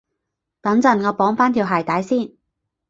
等陣，我綁返條鞋帶先